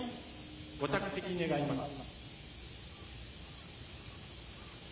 ご着席願います。